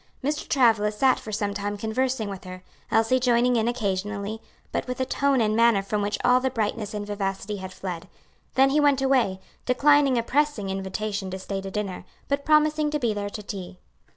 Mr. Travilla sat for some time conversing with her, Elsie joining in occasionally, but with a tone and manner from which all the brightness and vivacity had fled; then he went away, declining a pressing invitation to stay to dinner, but promising to be there to tea.